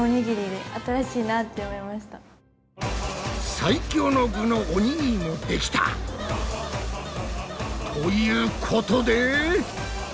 最強の具のおにぎりもできた！ということで。